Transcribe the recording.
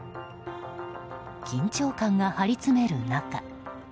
緊張感が張り詰める中